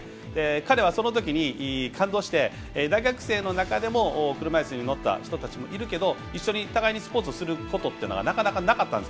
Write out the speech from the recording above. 彼は、そのときに感動して大学生の中でも車いすに乗った人がいるけど、そのとき互いにスポーツすることっていうのがなかなかなかったんです。